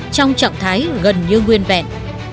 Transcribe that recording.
trong trạng thái gần như nguyên vẹn